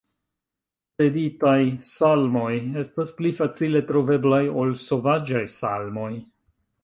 Breditaj salmoj estas pli facile troveblaj ol sovaĝaj salmoj.